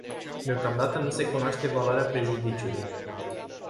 Deocamdată nu se cunoaște valoarea prejudiciului.